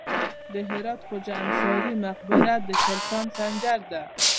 د هرات خواجه انصاري مقبره د سلطان سنجر ده